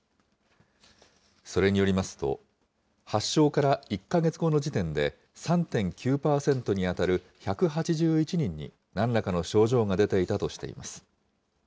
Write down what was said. それによりますと、発症から１か月後の時点で３．９％に当たる１８１人に、なんらかの症状が出ていたとしています。